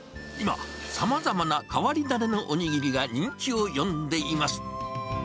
今、さまざまな変わり種のおにぎりが人気を呼んでいます。